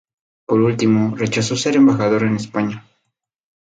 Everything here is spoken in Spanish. Por último, rechazó ser embajador en España.